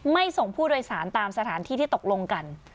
ส่งผู้โดยสารตามสถานที่ที่ตกลงกัน